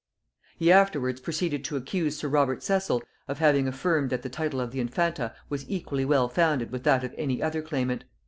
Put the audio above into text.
He afterwards proceeded to accuse sir Robert Cecil of having affirmed that the title of the Infanta was equally well founded with that of any other claimant.